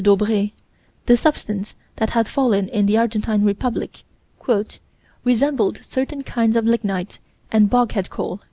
Daubrée, the substance that had fallen in the Argentine Republic, "resembled certain kinds of lignite and boghead coal."